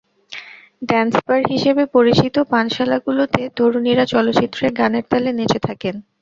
Dance bar হিসেবে পরিচিত পানশালাগুলোতে তরুণীরা চলচ্চিত্রের গানের তালে নেচে থাকেন।